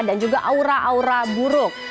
dan juga aura aura buruk